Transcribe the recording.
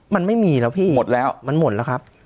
มันไม่มีแล้วพี่หมดแล้วมันหมดแล้วครับ